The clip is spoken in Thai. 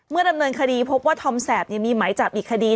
ดำเนินคดีพบว่าธอมแสบมีหมายจับอีกคดี